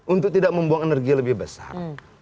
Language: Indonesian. untuk tidak membuang energi lebih besar